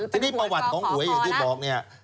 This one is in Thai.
ทีนี้ประวัติของหวยอย่างที่บอกเนี่ย